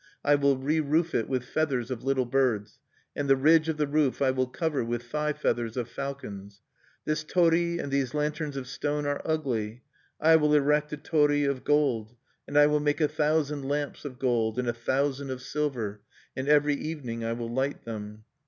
I will re roof it with feathers of little birds; and the ridge of the roof I will cover with thigh feathers of falcons. "This torii and these lanterns of stone are ugly: I will erect a torii of gold; and I will make a thousand lamps of gold and a thousand of silver, and every evening I will light them.